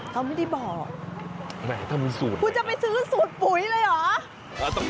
เขาไม่ได้บอกคุณจะไปซื้อสูตรปุ๋ยเลยเหรอ